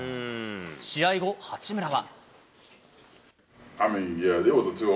試合後、八村は。